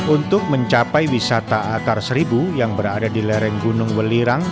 untuk mencapai wisata akar seribu yang berada di lereng gunung welirang